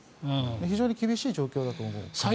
非常に厳しい状況だと思います。